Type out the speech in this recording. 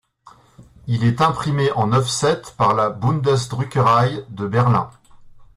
Il est imprimé en offset par la Bundesdruckerei de Berlin.